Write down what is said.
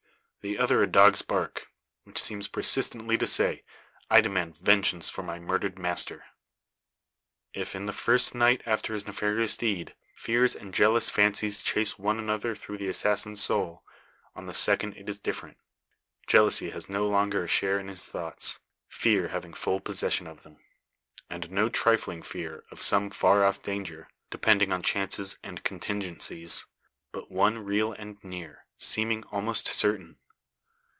the other, a dog's bark, which seems persistently to say, "I demand vengeance for my murdered master!" If, in the first night after his nefarious deed, fears and jealous fancies chase one another through the assassin's soul, on the second it is different. Jealousy has no longer a share in his thoughts, fear having full possession of them. And no trifling fear of some far off danger, depending on chances and contingencies, but one real and near, seeming almost certain.